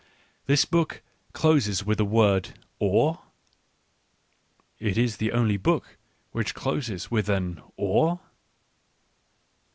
This book closes with the word " or ?"— it is the only book which closes with an " or